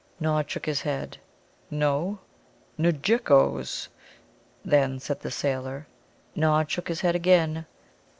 '" Nod shook his head. "No? 'Njekkoes, then," said the sailor. Nod shook his head again.